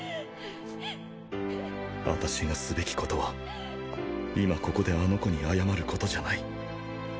私がすべきことは今ここであの子に謝ることじゃない。